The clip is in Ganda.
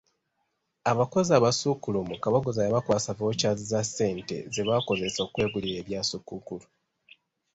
Abakozi abasukkulumu Kabogoza yabakwasa ‘Vouchers’ za ssente ze baakozesa okwegulira ebya Ssekukkulu.